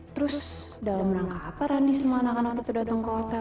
terus dalam rangka apa randi semua anak anak itu datang ke hotel